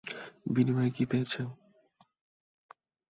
বিনিময়ে কী পেয়েছে।